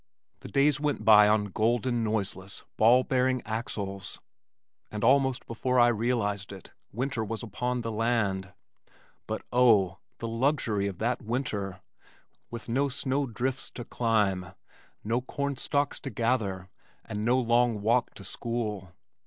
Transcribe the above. The days went by on golden, noiseless, ball bearing axles and almost before I realized it, winter was upon the land. But oh! the luxury of that winter, with no snow drifts to climb, no corn stalks to gather and no long walk to school.